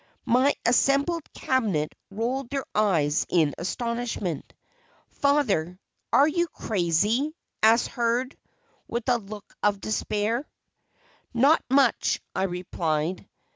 My assembled "cabinet" rolled their eyes in astonishment. "Father, are you crazy?" asked Hurd, with a look of despair. "Not much," I replied.